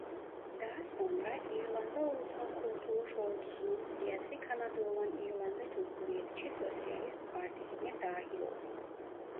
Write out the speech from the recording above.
Daha sonra İrlanda Ulusal Kurtuluş Ordusu'nun siyasi kanadı olan İrlanda Cumhuriyetçi Sosyalist Partisi'ne dahil oldu.